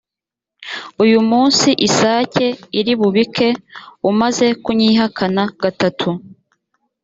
uyumunsi isake iri bubike umaze kunyihakana gatatu.